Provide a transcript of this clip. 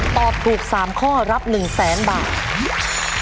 ตอบถูก๓ข้อรับ๑๐๐๐๐๐บาท